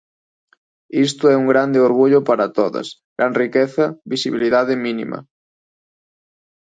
Isto é un grande orgullo para todas; gran riqueza, visibilidade mínima.